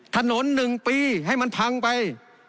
ถนน๑ปีให้มันพังไป